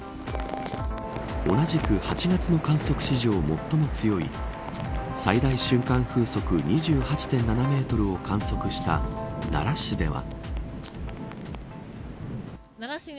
同じく８月の観測史上最も強い最大瞬間風速２８．７メートルを観測した奈良市では。